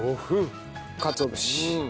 かつお節。